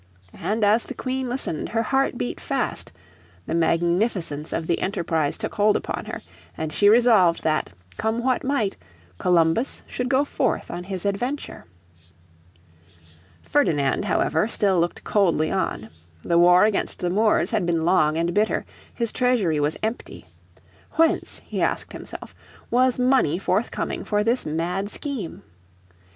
And as the Queen listened her heart beat fast; the magnificence of the enterprise took hold upon her, and she resolved that, come what might, Columbus should go forth on his adventure. Ferdinand, however, still looked coldly on. The war against the Moors had been long and bitter, his treasury was empty. Whence, he asked himself, was money forthcoming for this mad scheme?